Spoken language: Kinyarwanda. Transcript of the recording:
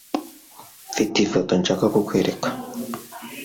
Mfite ifoto nshaka kukwereka